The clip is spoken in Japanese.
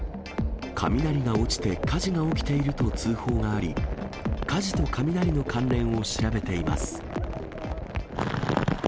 雷が落ちて火事が起きていると通報があり、火事と雷の関連を調べています。